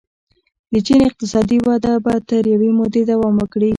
د چین اقتصادي وده به تر یوې مودې دوام وکړي.